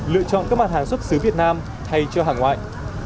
lựa chọn các mặt hàng xuất xứ việt nam thay cho hàng ngoại